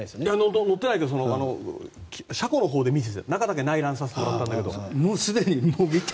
まだ乗っていないけど車庫のほうで中だけ内覧させてもらったんだけど。